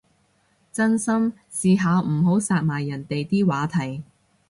真心，試下唔好殺埋人哋啲話題